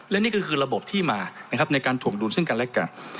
และนี่ก็คือระบบที่มานะครับในการถวงดุลซึ่งกันและกัน